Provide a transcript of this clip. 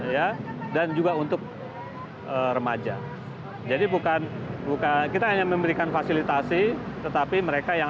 ya dan juga untuk remaja jadi bukan bukan kita hanya memberikan fasilitasi tetapi mereka yang